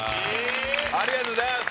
ありがとうございます！